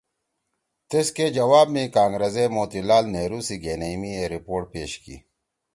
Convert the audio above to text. تیسکے جواب می کانگرس ئے موتی لال نہرو سی گھینیئی می اے رپورٹ پیش کی